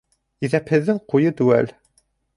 Иҫәпһеҙҙең ҡуйы теүәл.